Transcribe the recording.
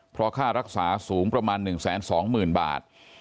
เพราะค่ารักษาสูงประมาณ๑๒๐๐๐บาท